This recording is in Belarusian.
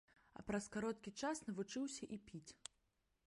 А праз кароткі час навучыўся і піць.